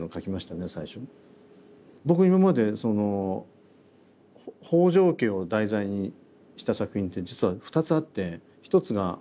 僕今までその北条家を題材にした作品って実は２つあって一つが「王様のレストラン」で。